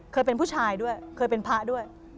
เคยเป็นผู้ชายด้วยเคยเป็นพระด้วย